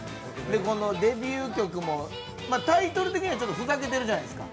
デビュー曲もタイトル的にはふざけてるじゃないですか